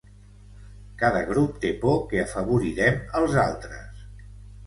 Cada grup té por que afavorirem els altres.